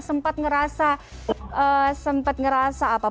sempat ngerasa sempat ngerasa apa